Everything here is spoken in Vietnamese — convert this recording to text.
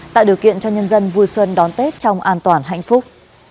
tạo điều kiện cho nhân dân vui xuân đón tết trong an toàn hạnh phúc